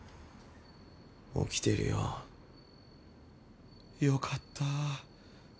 起きてるよ。よかった。